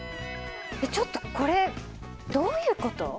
えっちょっとこれどういうこと？